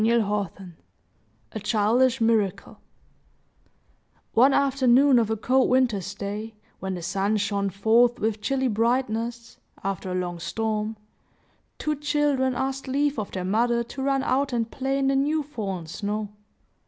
THE SNOW IMAGE: A CHILDISH MIRACLE One afternoon of a cold winter's day, when the sun shone forth with chilly brightness, after a long storm, two children asked leave of their mother to run out and play in the new fallen snow.